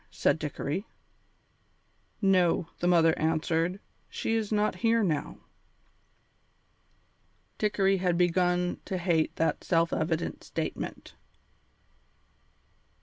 said Dickory. "No," the mother answered, "she is not here now." Dickory had begun to hate that self evident statement.